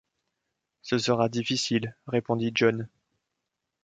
Ce sera difficile, répondit John.